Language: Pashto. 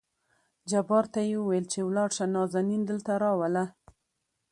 جبار ته يې ووېل چې ولاړ شه نازنين دلته راوله.